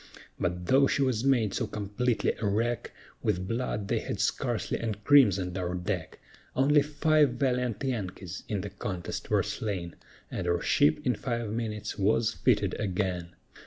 But though she was made so completely a wreck, With blood they had scarcely encrimsoned our deck; Only five valiant Yankees in the contest were slain, And our ship in five minutes was fitted again.